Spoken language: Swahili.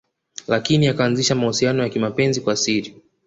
Lakini akaanzisha mahusiano ya kimapenzi kwa siri